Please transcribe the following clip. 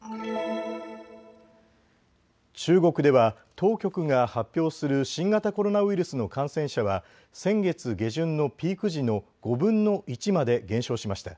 中国では当局が発表する新型コロナウイルスの感染者は先月下旬のピーク時の５分の１まで減少しました。